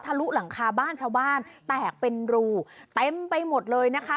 ลุหลังคาบ้านชาวบ้านแตกเป็นรูเต็มไปหมดเลยนะคะ